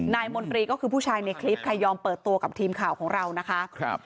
มนตรีก็คือผู้ชายในคลิปใครยอมเปิดตัวกับทีมข่าวของเรานะคะ